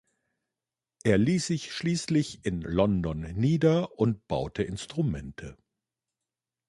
Er ließ sich schließlich in London nieder und baute Instrumente.